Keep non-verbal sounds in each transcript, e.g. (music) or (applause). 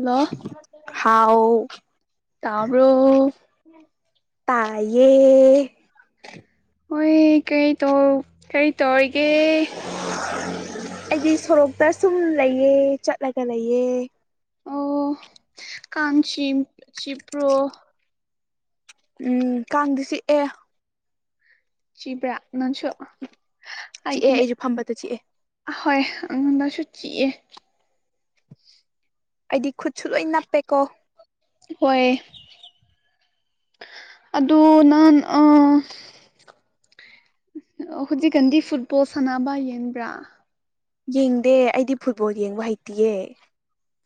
Hello ꯍꯥꯎ ꯇꯥꯕ꯭ꯔꯣ ꯇꯥꯏꯌꯦ ꯍꯣꯏ ꯀꯩꯏ ꯇꯧ ꯀꯩꯏ ꯇꯧꯔꯤꯒꯦ ꯑꯩꯗꯤ ꯁꯣꯔꯣꯛꯇ ꯁꯨꯝ ꯂꯩꯌꯦ ꯆꯠꯂꯒ ꯂꯩꯌꯦ ꯑꯣ ꯀꯥꯡ ꯆꯤꯛ ꯆꯤꯄ꯭ꯔꯣ ꯎꯝ ꯀꯥꯡꯗꯤ ꯆꯤꯛꯑꯦ ꯆꯤꯕ꯭ꯔꯥ ꯅꯪꯁꯨ ꯆꯤꯛꯑꯦ ꯑꯩꯒꯤ ꯑꯩꯁꯨ ꯐꯝꯕꯗ ꯆꯤꯛꯑꯦ ꯍꯣꯏ ꯑꯩꯉꯣꯟꯗꯁꯨ ꯆꯤꯛꯑꯦ ꯑꯩꯗꯤ ꯈꯨꯠꯁꯨ ꯂꯣꯏꯟ ꯅꯞꯄꯦꯀꯣ ꯍꯣꯏ ꯑꯗꯨ ꯅꯟ ꯑꯥ ꯍꯧꯖꯤꯛꯀꯥꯟꯗꯤ ꯐꯨꯠꯕꯣꯜ ꯁꯥꯟꯅꯕ ꯌꯦꯡꯕ꯭ꯔꯥ ꯌꯦꯡꯗꯦ ꯑꯩꯗꯤ ꯐꯨꯠꯕꯣꯜ ꯌꯦꯡꯕ ꯍꯩꯇꯤꯌꯦ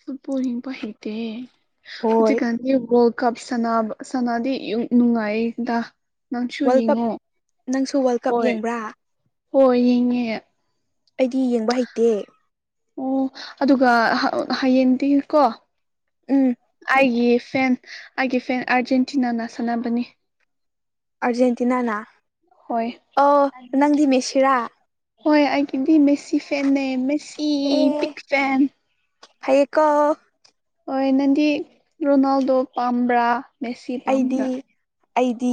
ꯐꯨꯠꯕꯣꯜ ꯌꯦꯡꯕ ꯍꯩꯗꯦ ꯍꯧꯖꯤꯛ ꯍꯣꯏ ꯀꯥꯟꯗꯤ ꯒꯣꯜ ꯀꯞ ꯁꯅꯥꯕ ꯁꯅꯥꯗꯤ ꯅꯨꯡꯉꯥꯏꯌꯦꯗꯥ ꯅꯪꯁꯨ ꯋꯥꯔꯜ ꯀꯞ ꯌꯦꯡꯉꯣ ꯅꯪꯁꯨ ꯋꯥꯔꯜ ꯀꯞ ꯍꯣꯏ ꯌꯦꯡꯕ꯭ꯔꯥ ꯍꯣꯏ ꯌꯦꯡꯉꯦ ꯑꯩꯗꯤ ꯌꯦꯡꯕ ꯍꯩꯇꯦ ꯑꯣ ꯑꯗꯨꯒ ꯍꯌꯦꯡꯗꯤ ꯀꯣ ꯎꯝ ꯑꯩꯒꯤ ꯐꯦꯟ ꯑꯩꯒꯤ ꯐꯦꯟ ꯑꯥꯔꯖꯦꯟꯇꯤꯅꯥꯅ ꯁꯥꯟꯅꯕꯅꯤ ꯑꯔꯖꯦꯟꯇꯤꯅꯥꯅ ꯍꯣꯏ ꯑꯣ ꯅꯪꯗꯤ ꯃꯦꯁꯤꯔꯥ ꯍꯣꯏ ꯑꯩꯒꯤꯗꯤ ꯃꯦꯁꯤ ꯐꯦꯟꯅꯦ ꯃꯦꯁꯤ ꯕꯤꯛ ꯐꯦꯟ ꯍꯩꯌꯦꯀꯣ ꯍꯣꯏ ꯅꯪꯗꯤ ꯔꯣꯅꯥꯜꯗꯣ ꯄꯥꯝꯕ꯭ꯔꯥ ꯃꯦꯁꯤ ꯑꯩꯗꯤ ꯄꯥꯝꯕ꯭ꯔꯥ ꯑꯩꯗꯤ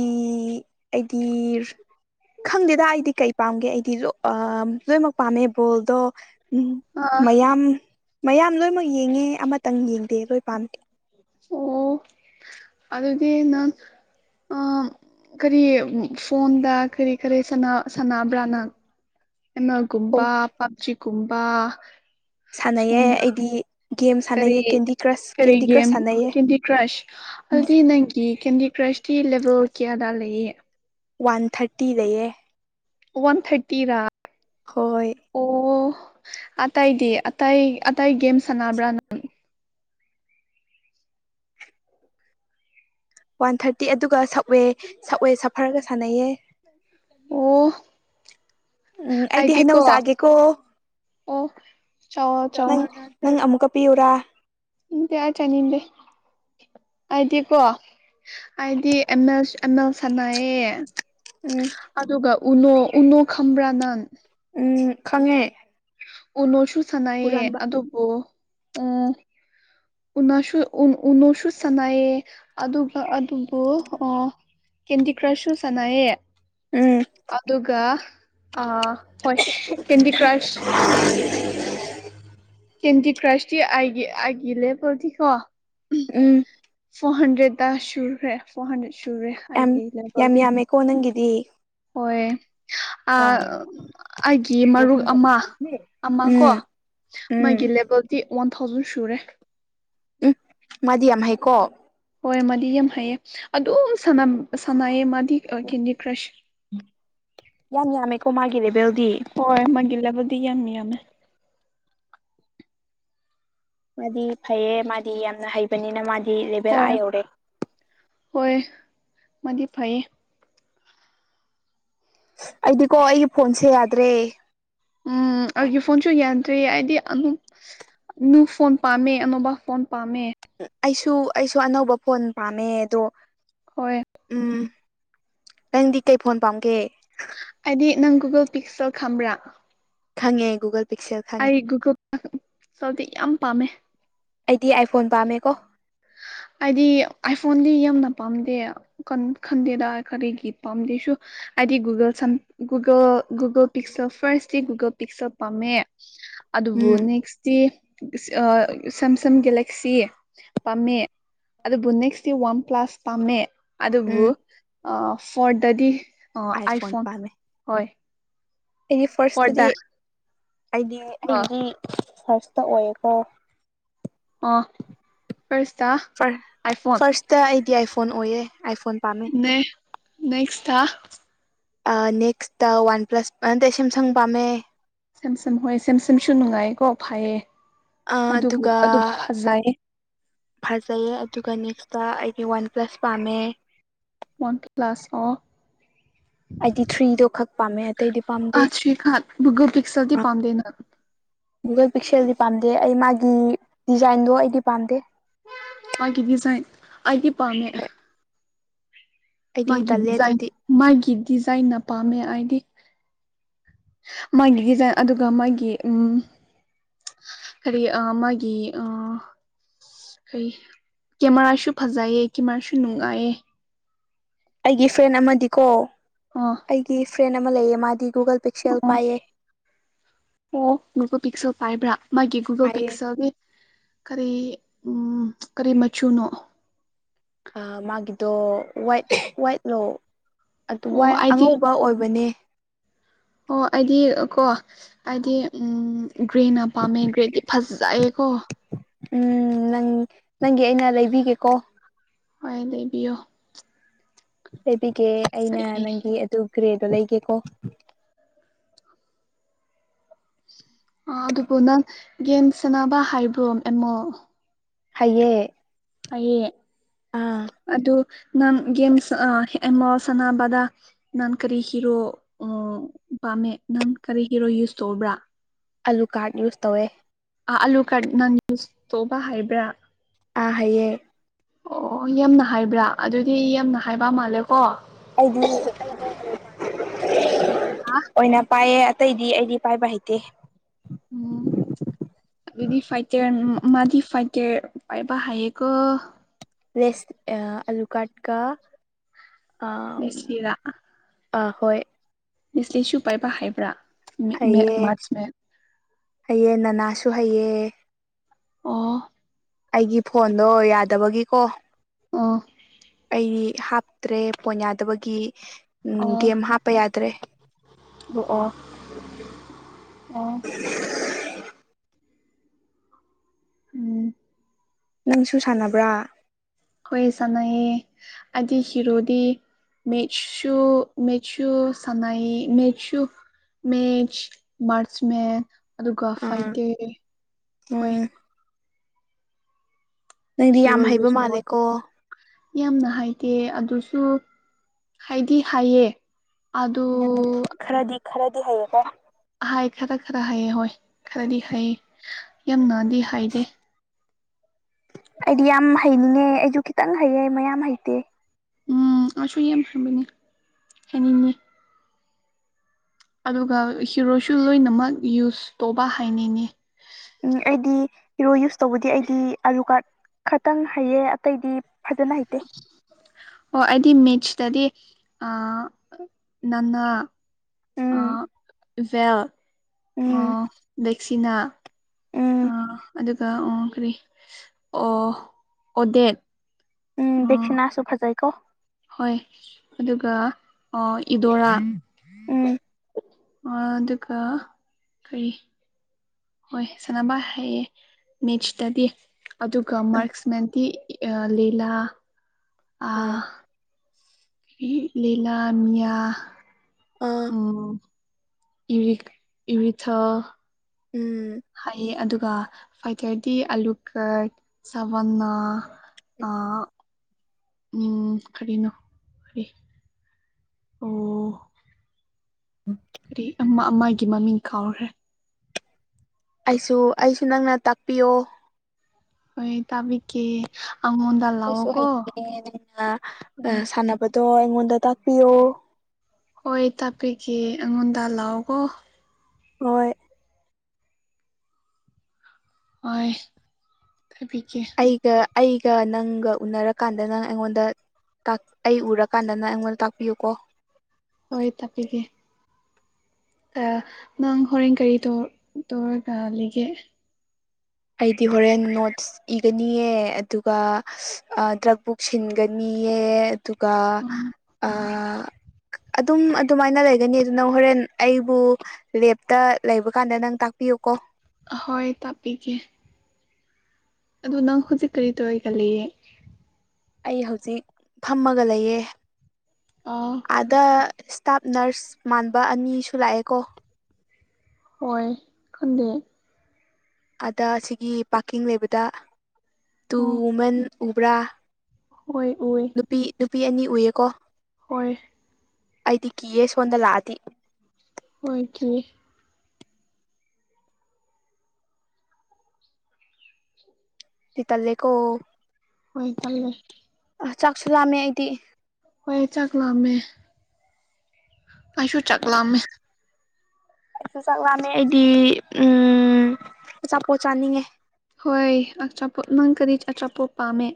ꯑꯩꯗꯤ ꯈꯪꯗꯦꯗ ꯑꯩꯗꯤ ꯀꯩ ꯄꯥꯝꯒꯦ ꯑꯩꯗꯤ ꯑ ꯂꯣꯏꯅꯃꯛ ꯄꯥꯝꯃꯦ ꯕꯣꯜꯗꯣ ꯎꯝ ꯑꯥ ꯃꯌꯥꯝ ꯃꯌꯥꯝ ꯂꯣꯏꯃꯛ ꯌꯦꯡꯉꯦ ꯑꯃꯇꯪ ꯌꯦꯡꯗꯦ ꯂꯣꯏ ꯄꯥꯝꯗꯦ ꯑꯣ ꯑꯗꯨꯗꯤ ꯅꯪ ꯑ ꯀꯔꯤ ꯐꯣꯟꯗ ꯀꯔꯤ ꯀꯔꯤ ꯁꯅꯥ ꯁꯅꯥꯕ꯭ꯔꯥ ꯅꯪ ꯑꯣ ꯑꯝꯑꯦꯜꯒꯨꯝꯕ ꯄꯞꯖꯤꯒꯨꯝꯕ ꯁꯥꯟꯅꯩꯌꯦ ꯐꯣꯟꯗ ꯑꯩꯗꯤ ꯒꯦꯝ ꯀꯔꯤ ꯁꯥꯟꯅꯩꯌꯦ ꯀꯦꯟꯗꯤ ꯀ꯭ꯔꯁ ꯀꯔꯤ ꯀꯦꯟꯗꯤ ꯒꯦꯝ ꯀ꯭ꯔꯁ ꯁꯥꯟꯅꯩꯌꯦ ꯀꯦꯟꯗꯤ ꯀ꯭ꯔꯁ ꯑꯗꯨꯗꯤ ꯅꯪꯒꯤ ꯀꯦꯟꯗꯤ ꯀ꯭ꯔꯁꯇꯤ ꯂꯦꯕꯦꯜ ꯀꯌꯥꯗ ꯂꯩꯌꯦ ꯋꯥꯟ ꯊꯥꯔꯇꯤ ꯂꯩꯌꯦ ꯋꯥꯟ ꯊꯥꯔꯇꯤꯔꯥ ꯍꯣꯏ ꯑꯣ ꯑꯇꯩꯗꯤ ꯑꯇꯩ ꯑꯇꯩ ꯒꯦꯝ ꯁꯥꯟꯅꯕ꯭ꯔꯥ ꯋꯥꯟ ꯊꯥꯔꯇꯤ ꯑꯗꯨꯒ ꯁꯞꯋꯦ ꯁꯞꯋꯦ ꯁꯐꯔꯒ ꯁꯥꯟꯅꯩꯌꯦ ꯑꯣ ꯎꯝ ꯑꯩꯗꯤ ꯍꯩꯅꯧ ꯆꯥꯒꯦꯀꯣ ꯑꯣꯐ ꯅꯪ ꯅꯪ ꯑꯃꯨꯛꯀ ꯄꯤꯌꯨꯔꯥ ꯎꯝ ꯀꯌꯥ ꯆꯥꯅꯤꯡꯗꯦ ꯑꯩꯗꯤꯀꯣ ꯑꯩꯗꯤ ꯑꯦꯝ ꯑꯦꯜ ꯑꯦꯝ ꯑꯦꯜ ꯁꯥꯟꯅꯥꯏꯌꯦ ꯎꯝ ꯑꯗꯨꯒ ꯎꯅꯨ ꯎꯅꯨ ꯈꯪꯕꯔ ꯅꯪ ꯎꯝ ꯈꯪꯉꯦ ꯎꯅꯣꯁꯨ ꯁꯥꯟꯅꯩꯌꯦ ꯍꯨꯔꯥꯟꯕ ꯑꯗꯨꯕꯨ ꯎꯝ ꯎꯅꯣꯁꯨ ꯎꯅꯣꯁꯨ ꯁꯥꯟꯅꯩꯌꯦ ꯑꯗꯨꯒ ꯑꯗꯨꯕꯨ ꯑ ꯀꯦꯟꯗꯤ ꯀ꯭ꯔꯁꯁꯨ ꯁꯥꯟꯅꯌꯦ ꯎꯝ ꯑꯗꯨꯒ ꯑ ꯍꯣꯏ ꯀꯦꯟꯗꯤ ꯀ꯭ꯔꯁ ꯀꯦꯟꯗꯤ ꯀ꯭ꯔꯁꯇꯤ ꯑꯩꯒꯤ ꯑꯩꯒꯤ ꯂꯦ (unintelligible) ꯄꯣꯜꯊꯤꯈꯣ ꯎꯝ ꯐꯣꯔ ꯍꯟꯗ꯭ꯔꯦꯗꯠꯇ ꯁꯨꯔꯈ꯭ꯔꯦ ꯐꯣꯔ ꯍꯟꯗ꯭ꯔꯦꯗ ꯁꯨꯔꯦ ꯌꯥꯝ ꯑꯩꯒꯤ ꯌꯥꯝ ꯂꯦꯚꯦꯜꯗꯤ ꯌꯥꯝꯃꯦꯀꯣ ꯅꯪꯒꯤꯗꯤ ꯍꯣꯏ ꯑꯥ ꯀꯌꯥꯝ ꯂꯩꯅꯣ ꯑꯥꯏꯒꯤ ꯃꯔꯨꯞ ꯔꯣꯁꯅꯤꯖꯦ ꯑꯃ ꯔꯣꯁꯅꯤ ꯑꯃ ꯀꯣ ꯎꯝ ꯎꯝ ꯃꯥꯒꯤ ꯂꯦꯕꯦꯜꯗꯤ ꯋꯥꯟ ꯊꯥꯎꯖꯟ ꯁꯨꯔꯦ ꯎꯝ ꯃꯥꯗꯤ ꯌꯥꯝ ꯍꯩꯀꯣ ꯍꯣꯏ ꯃꯥꯗꯤ ꯌꯥꯝ ꯍꯩꯌꯦ ꯑꯗꯨꯝ ꯁꯥꯅꯝ ꯁꯥꯟꯅꯌꯦ ꯃꯥꯗꯤ ꯍꯣꯏ ꯀꯦꯟꯗꯤ ꯀ꯭ꯔꯁ ꯌꯥꯝ ꯌꯥꯝꯃꯦꯀꯣ ꯃꯥꯒꯤ ꯂꯦꯕꯦꯜꯗꯤ ꯍꯣꯏ ꯃꯥꯒꯤ ꯂꯦꯕꯦꯜꯗꯤ ꯌꯥꯝ ꯌꯥꯝꯃꯦ ꯃꯥꯗꯤ ꯐꯩꯌꯦ ꯃꯥꯗꯤ ꯌꯥꯝꯅ ꯍꯩꯕꯅꯤꯅ ꯃꯥꯗꯤ ꯂꯦꯕꯦꯜ ꯍꯣꯏ ꯑꯥ ꯌꯧꯔꯦ ꯍꯣꯏ ꯃꯥꯗꯤ ꯐꯩꯌꯦ ꯑꯩꯗꯤꯀꯣ ꯑꯩꯒꯤ ꯐꯣꯟꯁꯦ ꯌꯥꯗ꯭ꯔꯦ ꯎꯝ ꯑꯩꯒꯤ ꯐꯣꯟꯁꯨ ꯌꯥꯟꯗ꯭ꯔꯤ ꯑꯩꯗꯤ ꯑꯃꯨꯛ ꯅꯨ ꯐꯣꯟ ꯄꯥꯝꯃꯦ ꯑꯅꯧꯕ ꯐꯣꯟ ꯄꯥꯝꯃꯦ ꯎ ꯑꯩꯁꯨ ꯑꯩꯁꯨ ꯑꯅꯧꯕ ꯐꯣꯟ ꯄꯥꯝꯃꯦ ꯑꯗꯣ ꯍꯣꯏ ꯎꯝ ꯅꯪꯗꯤ ꯀꯩ ꯐꯣꯟ ꯄꯥꯝꯒꯦ ꯑꯩꯗꯤ ꯅꯪ ꯒꯨꯒꯜ ꯄꯤꯛꯁꯦꯜ ꯈꯪꯕ꯭ꯔꯥ ꯈꯪꯉꯦ ꯒꯨꯒꯜ ꯄꯤꯛꯁꯦꯜ ꯈꯪꯉꯦ ꯑꯩ ꯒꯨꯒ ꯁꯦꯜꯗꯤ ꯌꯥꯝ ꯄꯥꯝꯃꯦ ꯑꯩꯗꯤ ꯑꯥꯏꯐꯣꯟ ꯄꯥꯝꯃꯦꯀꯣ ꯑꯩꯗꯤ ꯑꯥꯏꯐꯣꯟꯗꯤ ꯌꯥꯝꯅ ꯄꯥꯝꯗꯦ ꯀꯟ ꯈꯟꯗꯦꯗ ꯀꯔꯤꯒꯤ ꯄꯥꯝꯗꯦꯁꯨ ꯑꯩꯗꯤ ꯒꯨꯒꯜ ꯁꯝ ꯒꯨꯒꯜ ꯒꯨꯒꯜ ꯄꯤꯛꯆꯜ ꯐꯥꯔꯁꯗꯤ ꯒꯨꯒꯜ ꯄꯤꯛꯆꯦꯜ ꯄꯥꯝꯃꯦ ꯑꯗꯨꯕꯨ ꯎꯝ ꯅꯦꯛꯁꯇꯤ ꯏꯁ ꯑꯥ ꯁꯦꯝꯁꯪ ꯒꯦꯂꯦꯛꯁꯤ ꯄꯥꯝꯃꯦ ꯑꯗꯨꯕꯨ ꯅꯦꯛꯁꯇꯤ ꯋꯥꯟ ꯄ꯭ꯂꯥꯁ ꯄꯥꯝꯃꯦ ꯑꯗꯨꯕꯨ ꯎꯝ ꯑꯥ ꯐꯣꯔꯗꯗꯤ ꯑꯥꯏꯐꯣꯟ ꯍꯣꯏ ꯑꯩꯗꯤ ꯐꯥꯔꯁꯇꯗꯤ ꯐꯣꯔꯗ ꯑꯩꯗꯤ ꯑ ꯑꯩꯗꯤ ꯐꯥꯔꯁꯇ ꯑꯣꯏꯌꯦꯀꯣ ꯑꯣ ꯐꯥꯔꯁꯇ ꯐꯥꯔ ꯑꯥꯏꯐꯣꯟ ꯐꯥꯔꯁꯇ ꯑꯩꯗꯤ ꯑꯥꯏꯐ ꯐꯣꯟ ꯑꯣꯏꯌꯦ ꯑꯥꯏꯐꯣꯟ ꯄꯥꯝꯃꯦ ꯅꯦ ꯅꯦꯛꯁꯇꯥ ꯑꯥ ꯅꯦꯛꯁꯇ ꯋꯥꯟ ꯄ꯭ꯂꯁ ꯅꯠꯇꯦ ꯁꯦꯝꯁꯪ ꯄꯥꯝꯃꯦ ꯁꯦꯝꯁꯝ ꯍꯣꯏ ꯁꯦꯝꯁꯝꯁꯨ ꯅꯨꯡꯉꯥꯏꯀꯣ ꯐꯩꯌꯦ ꯑꯗꯨꯕꯨ ꯑꯗꯨꯒ ꯑꯗꯨ ꯐꯖꯩꯌꯦ ꯐꯖꯩꯌꯦ ꯑꯗꯨꯒ ꯅꯦꯛꯁꯇ ꯑꯩꯗꯤ ꯋꯥꯟ ꯄ꯭ꯂꯁ ꯄꯥꯝꯃꯦ ꯋꯥꯟ ꯀ꯭ꯂꯥꯁ ꯑꯣ ꯑꯩꯗꯤ ꯊ꯭ꯔꯤꯗꯣ ꯈꯛ ꯄꯥꯝꯃꯦ ꯑꯇꯩꯗꯤ ꯄꯥꯝꯗꯦ (unintelligible) ꯒꯨꯒꯜ ꯄꯤꯛꯁꯜꯗꯤ ꯄꯥꯝꯗꯦ ꯅꯪ ꯒꯨꯒꯜ ꯄꯤꯛꯁꯦꯜꯗꯤ ꯄꯥꯝꯗꯦ ꯑꯩ ꯃꯥꯒꯤ ꯗꯤꯖꯥꯏꯟꯗꯣ ꯑꯩꯗꯤ ꯄꯥꯝꯗꯦ ꯃꯥꯒꯤ ꯗꯤꯖꯥꯏꯟ ꯑꯩꯗꯤ ꯄꯥꯝꯃꯦ ꯍꯣꯏ ꯑꯩꯗꯤ ꯃꯥꯒꯤ ꯇꯜꯂꯦ ꯗꯤꯖꯥꯏꯟ ꯑꯗꯨꯗꯤ ꯃꯥꯒꯤ ꯗꯤꯖꯥꯏꯟꯅ ꯄꯥꯝꯃꯦ ꯑꯥꯏꯗꯤ ꯃꯥꯒꯤ ꯗꯤꯖꯥꯏꯟ ꯑꯗꯨꯒ ꯃꯥꯒꯤ ꯎꯨ ꯀꯔꯤ ꯑꯥ ꯃꯥꯒꯤ ꯑꯥ ꯀꯩ ꯀꯦꯃꯦꯔꯥꯁꯨ ꯐꯖꯩꯌꯦ ꯀꯦꯃꯦꯔꯥꯁꯨ ꯅꯨꯡꯉꯥꯏꯌꯦ ꯑꯩꯒꯤ ꯐ꯭ꯔꯦꯟ ꯑꯃꯗꯤꯀꯣ ꯑꯣ ꯑꯩꯒꯤ ꯐ꯭ꯔꯦꯟ ꯑꯃ ꯂꯩꯌꯦ ꯃꯥꯗꯤ ꯒꯨꯒꯜ ꯄꯤꯛꯁꯦꯜ ꯑꯣ ꯄꯥꯏꯌꯦ ꯑꯣ ꯒꯨꯒꯣ ꯄꯤꯛꯁꯣ ꯄꯥꯏꯕ꯭ꯔꯥ ꯃꯥꯒꯤ ꯒꯨꯒꯣ ꯄꯥꯏꯌꯦ ꯄꯤꯛꯁꯒꯤ ꯀꯔꯤ ꯎꯝ ꯀꯔꯤ ꯃꯆꯨꯅꯣ ꯑ ꯃꯥꯒꯤꯗꯣ ꯋꯥꯏꯠ ꯋꯥꯏꯠꯂꯣ ꯑꯗꯨ ꯑꯣ ꯋꯥꯏ ꯑꯩꯗꯤ ꯑꯉꯧꯕ ꯑꯣꯏꯕꯅꯦ ꯑꯣ ꯑꯩꯗꯤ ꯑꯀꯣ ꯑꯩꯗꯤ ꯎꯝ ꯒ꯭ꯔꯦꯅ ꯄꯥꯝꯃꯦ ꯒ꯭ꯔꯦꯗꯤ ꯐꯖꯩꯀꯣ ꯎꯝ ꯅꯪ ꯅꯪꯒꯤ ꯑꯩꯅ ꯂꯩꯕꯤꯒꯦꯀꯣ ꯍꯣꯏ ꯂꯩꯕꯤꯌꯣ ꯂꯩꯕꯤꯒꯦ ꯑꯩꯅ ꯆꯠꯂꯦ ꯅꯪꯒꯤ ꯑꯗꯨ ꯒ꯭ꯔꯦꯗꯣ ꯂꯩꯒꯦꯀꯣ ꯑ ꯑꯗꯨꯕꯨ ꯅꯪ ꯌꯦꯝ ꯁꯥꯅꯕ ꯍꯥꯏꯕ꯭ꯔꯣ ꯑꯦꯃꯣ ꯍꯩꯌꯦ ꯍꯩꯌꯦ ꯑꯗꯨ ꯅꯪ ꯒꯦꯝꯁ ꯑ ꯃꯣꯝ ꯑꯦꯜ ꯁꯥꯟꯅꯕꯗ ꯅꯪ ꯀꯔꯤ ꯍꯤꯔꯣ ꯑ ꯄꯥꯝꯃꯤ ꯅꯪ ꯀꯔꯤ ꯍꯤꯔꯣ ꯌꯨꯁ ꯇꯧꯕ꯭ꯔꯥ ꯑꯥꯂꯨꯀꯥꯔꯠ ꯌꯨꯁ ꯇꯧꯋꯦ ꯑꯥ ꯑꯥꯂꯨꯀꯔꯠ ꯅꯪ ꯌꯨꯁ ꯇꯧꯕ ꯍꯩꯕ꯭ꯔꯥ ꯑ ꯍꯩꯌꯦ ꯑꯣ ꯌꯥꯝꯅ ꯍꯥꯏꯕ꯭ꯔꯥ ꯑꯗꯨꯗꯤ ꯌꯥꯝꯅ ꯍꯥꯏꯕ ꯃꯥꯜꯂꯦ ꯀꯣ ꯑꯩꯗꯤ ꯑꯩꯗꯤ ꯑꯥꯂꯨꯀꯔꯠ ꯑꯣꯏꯅ ꯄꯥꯏꯌꯦ ꯑꯇꯩꯗꯤ ꯑꯩꯗꯤ ꯄꯥꯏꯕ ꯍꯩꯇꯦ ꯑꯣ ꯑꯗꯨꯗꯤ ꯐꯥꯏꯇꯔ ꯃꯥꯗꯤ ꯐꯥꯏꯇꯔ ꯄꯥꯏꯕ ꯍꯩꯌꯦꯀꯣ ꯔꯦꯁ ꯑ ꯑꯂꯨꯀꯥꯔꯠꯀ ꯑꯥ ꯂꯦꯁꯂꯤꯔꯥ ꯑ ꯍꯣꯏ ꯂꯦꯁꯂꯤꯁꯨ ꯄꯥꯏꯕ ꯍꯩꯕ꯭ꯔꯥ ꯍꯩꯌꯦ ꯍꯩꯌꯦ ꯅꯥꯅꯥꯁꯨ ꯍꯩꯌꯦ ꯑꯣ ꯑꯩꯒꯤ ꯐꯣꯟꯗꯣ ꯌꯥꯗꯕꯒꯤꯀꯣ ꯑꯣ ꯑꯩ ꯍꯥꯞ ꯇ꯭ꯔꯦ ꯐꯣꯟ ꯌꯥꯗꯕꯒꯤ ꯎꯝ ꯒꯦꯝ ꯍꯥꯞꯄ ꯌꯥꯗ꯭ꯔꯦ ꯔꯣꯑꯣ ꯑꯣ ꯎꯝ ꯅꯪꯁꯨ ꯁꯥꯟꯅꯕ꯭ꯔꯥ ꯍꯣꯏ ꯁꯥꯟꯅꯩꯌꯦ ꯑꯥꯏꯗꯤ ꯍꯤꯔꯣꯗꯤ ꯃꯦꯠꯁꯁꯨꯨ ꯃꯦꯁꯁꯨ ꯁꯥꯟꯅꯩꯌꯦ ꯃꯦꯛꯠꯁꯨ ꯃꯦꯆ ꯃꯥꯔꯆ ꯃꯦ ꯑꯗꯨꯒ ꯑꯥ ꯐꯥꯏꯇꯔ ꯍꯣꯏ ꯎꯝ ꯅꯪꯗꯤ ꯌꯥꯝ ꯍꯤꯔꯣ ꯍꯩꯕ ꯌꯨꯁ ꯇꯧꯋꯦ ꯃꯥꯜꯂꯦꯀꯣ ꯌꯥꯝꯅ ꯍꯥꯏꯗꯦ ꯑꯗꯨꯁꯨ ꯍꯩꯗꯤ ꯍꯩꯌꯦ ꯑꯗꯨ ꯅꯪ ꯈꯔꯗꯤ ꯈꯔꯗꯤ ꯍꯩꯌꯦꯀꯣ ꯑꯍꯥꯏ ꯈꯔ ꯈꯔ ꯍꯥꯏꯌꯦ ꯍꯣꯏ ꯈꯔꯗꯤ ꯍꯩ ꯌꯥꯝꯅꯥꯗꯤ ꯍꯩꯗꯦ ꯑꯩꯗꯤ ꯌꯥꯝ ꯍꯩꯅꯤꯡꯉꯦ ꯑꯩꯖꯨ ꯈꯤꯇꯪ ꯍꯩꯌꯦ ꯃꯌꯥꯝ ꯍꯩꯇꯦ ꯎꯝ ꯑꯩꯁꯨ ꯌꯥꯝ ꯁꯨꯝꯕꯤꯅꯦ ꯍꯩꯅꯤꯡꯉꯦ ꯑꯗꯨꯒ ꯍꯤꯔꯣꯁꯨ ꯂꯣꯏꯅꯃꯛ ꯌꯨꯁ ꯇꯧꯕ ꯍꯥꯏꯅꯤꯡꯉꯦ ꯎꯝ ꯑꯩꯗꯤ ꯍꯤꯔꯣ ꯌꯨꯁ ꯇꯧꯕꯗꯤ ꯑꯩꯗꯤ ꯑꯂꯨꯀꯥꯔꯠ ꯈꯇꯪ ꯍꯩꯌꯦ ꯑꯇꯩꯗꯤ ꯐꯖꯅ ꯍꯩꯇ ꯑꯣ ꯑꯩꯗꯤ ꯃꯦꯆꯁꯇꯗꯤ ꯑ ꯅꯥꯅꯥ ꯎꯝ ꯑ ꯏꯚꯦꯜ ꯎꯝ ꯑ ꯚꯦꯛꯁꯤꯅꯥ ꯎꯝ ꯑ ꯑꯗꯨꯒ ꯑꯣ ꯀꯔꯤ ꯑꯣ ꯑꯣꯗꯦꯠ ꯎꯝ ꯑꯥ ꯕꯦꯛꯁꯤꯅꯥꯁꯨꯨ ꯐꯖꯩꯀꯣ ꯍꯣꯏ ꯑꯗꯨꯒ ꯑ ꯏꯗꯣꯔꯥ ꯎꯝ ꯑ ꯑꯗꯨꯒ ꯀ꯭ꯔꯤ ꯍꯣꯏ ꯁꯥ꯭ꯅꯕ ꯍꯥꯏꯌꯦ ꯃꯤꯠꯁꯇꯗꯤ ꯑꯗꯨꯒ ꯃꯥꯔ꯭ꯛꯁꯃꯦꯟꯇꯤ ꯂꯤꯂꯥ ꯑꯥ ꯏ ꯂꯤꯂꯥ ꯃ꯭ꯤꯌꯥ ꯑꯥ ꯎꯝ ꯏꯔꯤꯛ ꯏꯔꯤꯊꯥ ꯎꯝ ꯍꯥꯏꯌꯦ ꯑꯗꯨꯒ ꯐꯥꯏꯇꯔꯗꯤ ꯑꯂꯨꯀꯔ ꯁꯚꯥꯅꯥ ꯑ ꯎꯝ ꯀꯔꯤꯅꯣ ꯀ꯭ꯔꯤ ꯑꯣ (inaudible) ꯀ꯭ꯔꯤ ꯑꯃ ꯑꯃꯒꯤ ꯃꯃꯤꯡ ꯀꯥꯎꯈ꯭ꯔꯦ ꯑꯩꯁꯨ ꯑꯩꯁꯨ ꯅꯪꯅ ꯇꯥꯛꯄꯤꯌꯣ ꯑꯣꯏ ꯇꯥꯕꯤꯒꯦ ꯑꯉꯣꯟꯗ ꯑꯩꯁꯨ ꯍꯩꯇꯤꯌꯦ ꯅꯪꯅ ꯍꯣꯏ ꯁꯥꯟꯅꯕꯗꯣ ꯑꯩꯉꯣꯟꯗ ꯇꯥꯛꯄꯤꯌꯣ ꯍꯣꯏ ꯇꯥꯛꯄꯤꯒꯦ ꯑꯩꯉꯣꯟꯗ ꯂꯥꯑꯣꯀꯣ ꯍꯣꯏ ꯍꯣꯏ ꯇꯥꯕꯤꯒꯦ ꯑꯩꯒ ꯑꯩꯒ ꯅꯪꯒ ꯎꯅꯔꯀꯥꯟꯗ ꯅꯪ ꯑꯩꯉꯣꯟꯗ ꯇꯥꯛ ꯑꯩ ꯎꯔꯀꯥꯟꯗ ꯅꯡ ꯑꯩꯉꯣꯟꯗ ꯇꯥꯛꯄꯤꯌꯨꯀꯣ ꯍꯣꯏ ꯇꯥꯛꯄꯤꯒꯦ ꯑ ꯅꯪ ꯍꯣꯔꯦꯟ ꯀꯔꯤ ꯇꯧꯔ ꯇꯧꯔꯒ ꯂꯩꯒꯦ ꯑꯩꯗꯤ ꯍꯣꯔꯦꯟ ꯅꯣꯠ꯭ꯁ ꯏꯒꯅꯤꯌꯦ ꯑꯗꯨꯒ ꯗ꯭ꯔꯛꯕꯨ ꯁꯤꯟꯒꯅꯤꯌꯦ ꯑꯗꯨꯒ (inaudible) ꯑꯗꯨꯝ ꯑꯗꯨꯃꯥꯏꯅ ꯂꯩꯒꯅꯤ ꯑꯗꯨ ꯅꯡ ꯍꯣꯔꯦꯟ ꯑꯩꯕꯨ ꯂꯦꯞꯇ ꯂꯩꯕ ꯀꯥꯟꯗ ꯅꯪ ꯇꯥꯛꯄꯤꯌꯨ ꯀꯣ ꯑꯍꯣꯏ ꯇꯥꯛꯄꯤꯒꯦ ꯑꯗꯨ ꯅꯪ ꯍꯧꯖꯤꯛ ꯀꯔꯤ ꯇꯧꯋꯦꯒ ꯂꯩꯌꯦ ꯑꯩ ꯍꯧꯖꯤꯛ ꯐꯝꯃꯒ ꯂꯩꯌꯦ ꯑꯥ ꯑꯥꯗ ꯁ꯭ꯇꯥꯞ ꯅ꯭ꯔꯁ ꯃꯥꯟꯕ ꯑꯅꯤꯁꯨ ꯂꯥꯛꯑꯦꯀꯣ ꯍꯣꯏ ꯈꯟꯗꯦ ꯑꯗ ꯁꯤꯒꯤ ꯄꯥꯔꯀꯤꯡ ꯂꯩꯕꯗ ꯇꯨ ꯑꯣ ꯋꯨꯃꯦꯟ ꯎꯕ꯭ꯔꯥ ꯍꯣꯏ ꯎꯌꯦ ꯅꯨꯄꯤ ꯅꯨꯄꯤ ꯑꯅꯤ ꯎꯏꯌꯦꯀꯣ ꯍꯣꯏ ꯑꯩꯗꯤ ꯀꯤꯌꯦ ꯁꯣꯟꯗ ꯂꯥꯛꯑꯗꯤ ꯍꯣꯏ ꯀꯤꯌꯦ ꯊꯤ ꯇꯜꯂꯦꯀꯣ꯫ ꯍꯣꯏ ꯇꯜꯂꯦ꯫ ꯑ ꯆꯥꯛꯁꯨ ꯂꯥꯝꯃꯦ ꯑꯩꯗꯤ꯫ ꯍꯣꯏ ꯆꯥꯛ ꯂꯥꯝꯃꯦ꯫ ꯑꯥꯏꯁꯨ ꯆꯥꯛ ꯂꯥꯝꯃꯦ꯫ ꯑꯩꯁꯨ ꯆꯥꯛ ꯋꯥꯥꯝꯃꯦ ꯑꯩꯗꯤ ꯎꯝ ꯑꯆꯥꯄꯣꯠ ꯆꯥꯅꯤꯡꯉꯦ꯫ ꯍꯣꯏ ꯑꯆꯥꯄꯣꯠ ꯅꯪ ꯀꯔꯤ ꯑꯆꯥꯄꯣꯠ ꯄꯥꯝꯃꯦ꯫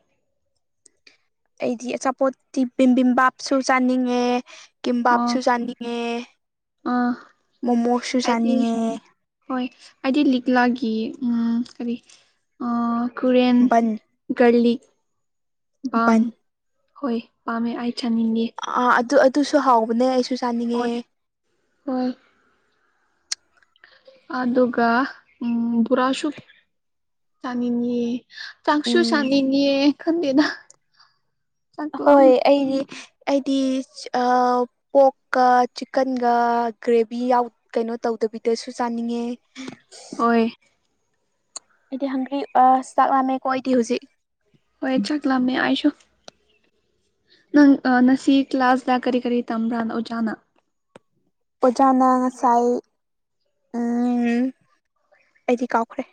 ꯑꯩꯗꯤ ꯑꯆꯥꯄꯣꯠꯇꯤ ꯕꯤꯝꯕꯤꯝꯕꯥꯞꯁꯨ ꯆꯥꯅꯤꯡꯉꯦ꯫ ꯑꯣ ꯀꯤꯝꯕꯥꯞꯁꯨ ꯆꯥꯅꯤꯡꯉꯦ ꯑꯥ ꯃꯣꯃꯣꯁꯨ ꯑꯩꯗꯤ ꯆꯥꯅꯤꯡꯉꯦ꯫ ꯍꯣꯏ ꯑꯩꯗꯤ ꯂꯤꯛꯂꯥꯒꯤ ꯎꯝ ꯀꯔꯤ ꯑꯥ ꯀꯨꯔꯦꯟ꯫ ꯕꯟ ꯒꯔꯂꯤꯛ ꯕꯥꯝ ꯕꯟ ꯍꯣꯏ ꯄꯥꯝꯃꯦ ꯑꯩ ꯆꯅꯤꯡꯉꯦ ꯑꯥ ꯑꯗꯨ ꯑꯗꯨꯁꯨ ꯍꯥꯎꯕꯅꯦ ꯑꯩꯁꯨ ꯍꯣꯏ ꯆꯥꯅꯤꯡꯉꯦ ꯍꯣꯏ꯫ ꯑꯗꯨꯒ ꯎꯝ ꯕꯨꯔꯥꯁꯨ ꯆꯥꯅꯤꯡꯉꯤ꯫ ꯆꯥꯛꯁꯨ ꯎꯝ ꯆꯅꯤꯡꯉꯤ ꯑꯩ ꯈꯪꯗꯦꯗ꯫ ꯆꯥꯛ ꯑꯍꯣꯏ ꯂꯥꯝꯃꯦ ꯑꯩꯗꯤ ꯑꯩꯗꯤ꯫ ꯑꯥ ꯄꯣꯛꯀ ꯆꯤꯛꯀꯟꯒ ꯒ꯭ꯔꯦꯚꯤ ꯌꯥꯎ ꯀꯩꯅꯣ ꯇꯧꯗꯕꯤꯗꯁꯨ ꯆꯥꯅꯤꯡꯉꯦ꯫ ꯍꯣꯏ꯫ ꯑꯩꯗꯤ ꯍꯪꯒꯔꯤ ꯑ ꯆꯥꯛꯂꯝꯃꯦꯀꯣ ꯑꯩꯗꯤ ꯍꯨꯖꯤꯛ꯫ ꯍꯣꯏ ꯆꯥꯛꯂꯝꯃꯦ ꯑꯥꯢꯁꯨ꯫ ꯅꯪ ꯉꯁꯤ ꯀ꯭ꯂꯥꯁꯗ ꯀꯔꯤ ꯀꯔꯤ ꯇꯝꯕ꯭ꯔꯥꯅ ꯑꯣꯖꯥꯅ꯫ ꯑꯣꯖꯥꯅ ꯉꯁꯥꯏ ꯎꯝ ꯑꯩꯗꯤ ꯀꯥꯎꯈ꯭ꯔꯦ꯫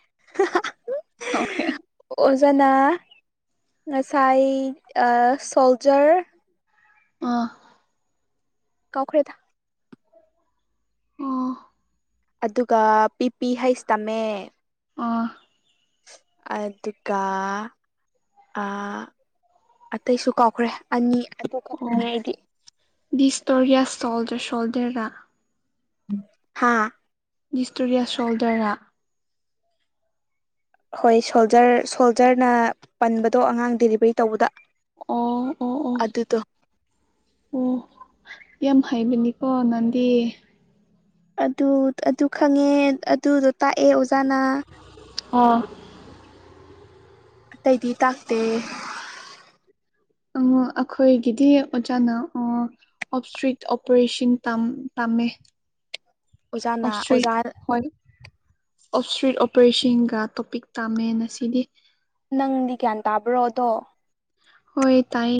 ꯀꯥꯎꯈ꯭ꯔꯦ꯫ ꯑꯣꯖꯥꯅ ꯉꯁꯥꯏ ꯑ ꯁꯣꯜꯖꯔ ꯑ꯫ ꯀꯥꯎꯈ꯭ꯔꯦꯗ꯫ ꯑꯣ ꯑꯗꯨꯒ ꯄꯤ ꯄꯤ ꯍꯩꯁ ꯇꯝꯃꯦ꯫ ꯑꯥ꯫ ꯑꯗꯨꯒ ꯑ ꯑꯇꯩꯁꯨ ꯀꯥꯎꯈ꯭ꯔꯦ꯫ ꯑꯅꯤ ꯑꯗꯨ ꯈꯛ ꯈꯪꯉꯦ ꯑꯩꯗꯤ꯫ ꯗꯤꯁꯗꯣꯔꯤꯌꯥꯁ ꯁꯣꯜꯖꯔ ꯁꯣꯜꯗꯔꯥ꯫ ꯍꯥꯥ꯫ ꯗꯤꯁꯇꯣꯔꯤꯌꯥꯁ ꯁꯣꯜꯗꯔꯔꯥ꯫ ꯍꯣꯏ ꯁꯣꯜꯖꯔ ꯁꯣꯜꯖꯔꯅ ꯄꯟꯕꯗꯣ ꯑꯉꯥꯡ ꯗꯦꯂꯤꯚꯔꯤ ꯇꯧꯕꯗ꯫ ꯑꯣ ꯑꯣ ꯑꯗꯨꯗꯣ ꯑꯣ꯫ ꯑꯣ ꯌꯥꯝ ꯍꯥꯏꯕꯅꯤꯀꯣ ꯅꯪꯗꯤ꯫ ꯑꯗꯨ ꯑꯗꯨ ꯈꯪꯉꯦ ꯑꯗꯨꯗꯣ ꯇꯥꯛꯑꯦ ꯑꯣꯖꯥꯅ꯫ (unintelligible) ꯑꯇꯩꯗꯤ ꯇꯥꯛꯇꯦ꯫ ꯎ ꯑꯈꯣꯏꯒꯤꯗꯤ ꯑꯣꯖꯥꯅ ꯑꯣ꯫ (unintelligible) ꯇꯝ ꯇꯝꯃꯦ꯫ ꯑꯣꯖꯥꯅ ꯑꯣꯞꯁꯇ꯭ꯔꯤꯛ ꯑꯣꯖꯥ ꯍꯣꯏ꯫ ꯑꯣꯞꯁꯇ꯭ꯔꯤꯛ ꯑꯣꯄꯔꯦꯁꯤꯡꯒ ꯇꯣꯄꯤꯛ ꯇꯥꯝꯃꯦ ꯉꯁꯤꯗꯤ꯫ ꯅꯪꯗꯤ ꯒ꯭ꯌꯥꯟ ꯇꯥꯕ꯭ꯔꯣ ꯑꯗꯣ꯫ ꯍꯣꯏ ꯇꯥꯏ